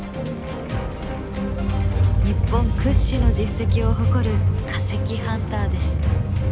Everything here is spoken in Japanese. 日本屈指の実績を誇る化石ハンターです。